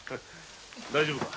大丈夫か？